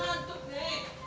gue ngantuk be